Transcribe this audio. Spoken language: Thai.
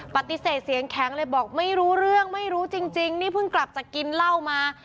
ปฏิเสธเสียงแข็งเลยบอกไม่รู้เรื่องไม่รู้จริงนี่เพิ่งกลับจากกินเหล้ามา